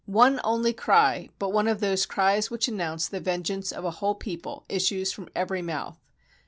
One only cry, but one of those cries which announce the vengeance of a whole people, issues from every mouth.